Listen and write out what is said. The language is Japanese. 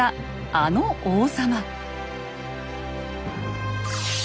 あの王様。